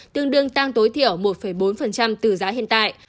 tương đương tăng tối thiểu một bốn từ giá hiện tại